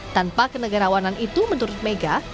tanpa kenegarawanan itu menurut mega